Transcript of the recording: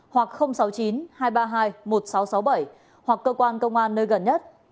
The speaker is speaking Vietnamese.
hoặc sáu mươi chín hai trăm ba mươi hai một nghìn sáu trăm sáu mươi bảy hoặc cơ quan công an nơi gần nhất